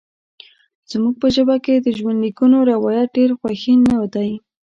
زموږ په ژبه کې د ژوندلیکونو روایت ډېر غوښین نه دی.